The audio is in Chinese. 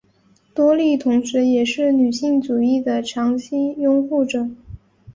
多莉同时也是女性主义的长期拥护者。